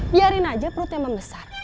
biarin aja perutnya membesar